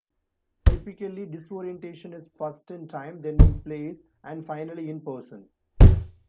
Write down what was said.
Typically, disorientation is first in time, then in place and finally in person.